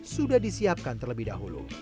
sudah disiapkan terlebih dahulu